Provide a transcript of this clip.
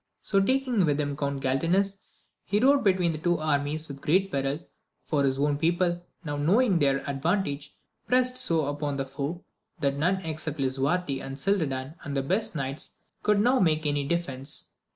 So taking with him Count Galtines, he rode between the two armies with great peril, for his own people, now knowing their advantage, pressed so upon the foe, that none except Lisuarte, and Gildadan, and the best knights, could now make any defence.